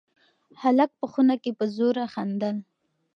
هلک په خونه کې په زوره خندل.